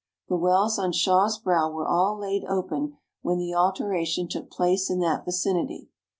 The wells on Shaw's brow were all laid open when the alteration took place in that vicinity.